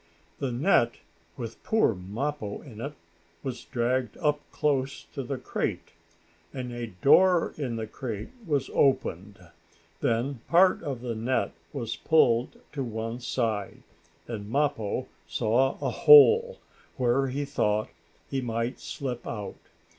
The net, with poor Mappo in it, was dragged up close to the crate, and a door in the crate was opened. Then part of the net was pulled to one side, and Mappo saw a hole where he thought he might slip out.